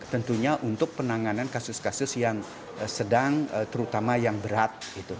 tentunya untuk penanganan kasus kasus yang sedang terutama yang berat